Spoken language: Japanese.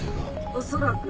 おそらく。